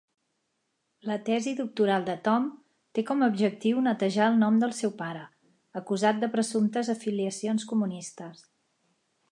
La tesi doctoral de Tom té com a objectiu netejar el nom del seu pare, acusat de presumptes afiliacions comunistes.